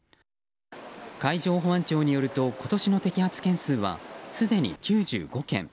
海上保安庁によると今年の摘発件数はすでに９５件。